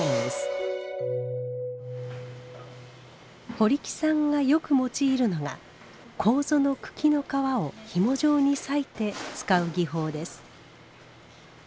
堀木さんがよく用いるのが楮の茎の皮をひも状に裂いて使う技法です。